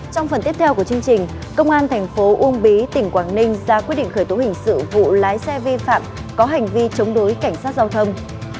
trong phần tiếp theo của chương trình công an thành phố uông bí tỉnh quảng ninh ra quyết định khởi tố hình sự vụ lái xe vi phạm có hành vi chống đối cảnh sát giao thông